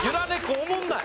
おもんない。